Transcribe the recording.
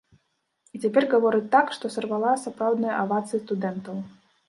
І цяпер гаворыць так, што сарвала сапраўдныя авацыі студэнтаў.